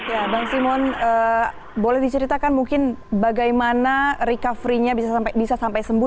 ya bang simon boleh diceritakan mungkin bagaimana recovery nya bisa sampai sembuh